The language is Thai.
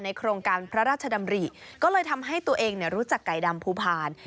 โครงการพระราชดำริก็เลยทำให้ตัวเองรู้จักไก่ดำภูพาล